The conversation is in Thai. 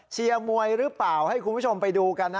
เชียร์มวยหรือเปล่าให้คุณผู้ชมไปดูกันนะ